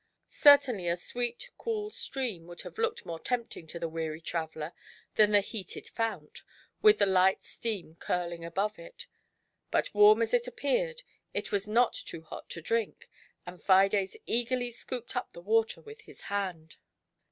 Certainly a sweet, cool stream would have looked more tempting to the weary traveller than the heated fount, with the light steam curling above it; but, warm jis it appeared, it was not too' hot to drink, and Fides eagerly scooped up the water with his hand.